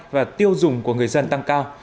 và tiêu dùng của người dân tăng cao